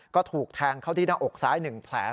ก็ถูกแทงเข้าที่หน้าอกซ้าย๑แผล